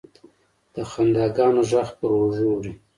د خنداګانو، ږغ پر اوږو وړي